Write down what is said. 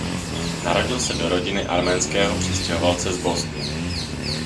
Narodil se do rodiny arménského přistěhovalce z Bostonu.